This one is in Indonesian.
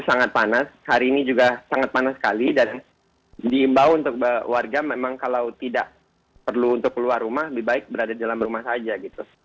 sangat panas hari ini juga sangat panas sekali dan diimbau untuk warga memang kalau tidak perlu untuk keluar rumah lebih baik berada di dalam rumah saja gitu